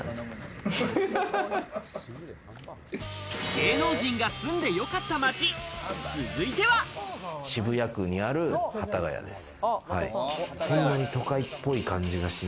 芸能人が住んでよかった街、渋谷区にある幡ヶ谷です。